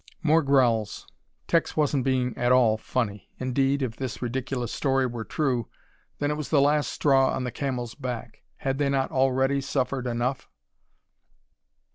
More growls. Tex wasn't being at all funny. Indeed, if this ridiculous story were true, then it was the last straw on the camel's back. Had they not already suffered enough?